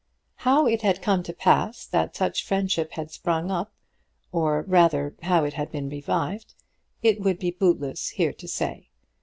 How it had come to pass that such friendship had sprung up, or rather how it had been revived, it would be bootless here to say.